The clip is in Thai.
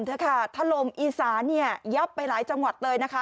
นะคะถลมอีสานี่ยับไปหลายจังหวัดเลยนะคะ